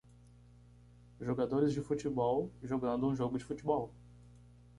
Jogadores de futebol jogando um jogo de futebol.